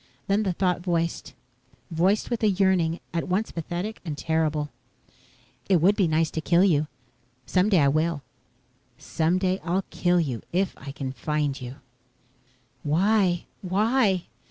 Then the thought voiced voiced with a yearning at once pathetic and terrible: "It would be nice to kill you. Someday I will. Someday I'll kill you if I can find you." "Why? Why?"